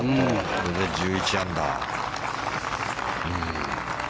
これで１１アンダー。